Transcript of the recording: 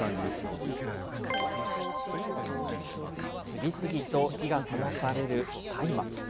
次々と火がともされるたいまつ。